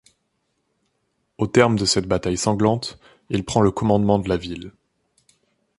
Au terme de cette bataille sanglante, il prend le commandement de la ville.